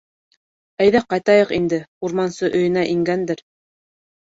— Әйҙә ҡайтайыҡ инде, урмансы өйөнә ингәндер.